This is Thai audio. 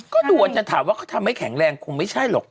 ก็ดูอาจจะถามว่าเขาทำให้แข็งแรงคงไม่ใช่หรอก